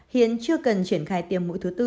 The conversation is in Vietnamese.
hiện chưa cần triển khai tiêm mũi thứ bốn